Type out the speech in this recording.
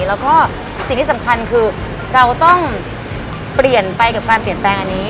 แล้วก็สิ่งที่สำคัญคือเราต้องเปลี่ยนไปกับการเปลี่ยนแปลงอันนี้